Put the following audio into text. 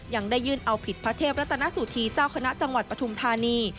ยังได้ยื่นเอาผิดพระเทพรัตนสุธีเจ้าคณะจังหวัดปฐุมธานี